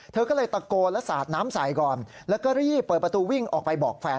เธอก็เลยตะโกนแล้วสาดน้ำใส่ก่อนแล้วก็รีบเปิดประตูวิ่งออกไปบอกแฟน